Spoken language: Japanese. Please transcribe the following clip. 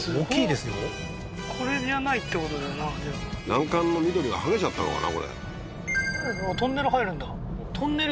欄干の緑がはげちゃったのかな